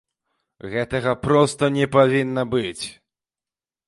Гэтага проста не павінна быць.